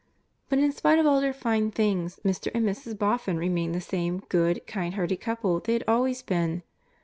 But in spite of all their fine things, Mr. and Mrs. Boffin remained the same good, kind hearted couple they had always been.